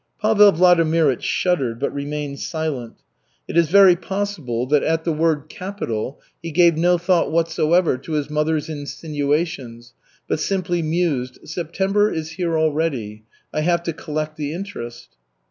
Pavel Vladimirych shuddered, but remained silent. It is very possible that at the word "capital" he gave no thought whatsoever to his mother's insinuations, but simply mused: "September is here already. I have to collect the interest."